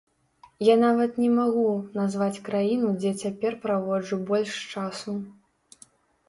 Я нават не магу назваць краіну, дзе цяпер праводжу больш часу.